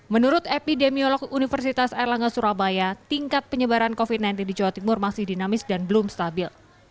menurut epidemiolog universitas erlangga surabaya tingkat penyebaran covid sembilan belas di jawa timur masih dinamis dan belum stabil